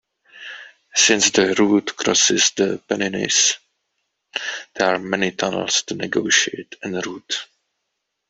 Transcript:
Since the route crosses the Pennines, there are many tunnels to negotiate "en route".